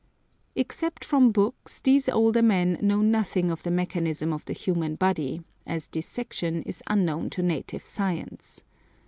Except from books these older men know nothing of the mechanism of the human body, as dissection is unknown to native science.